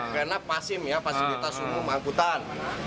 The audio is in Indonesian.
karena pasim ya pasif kita semua mengangkutan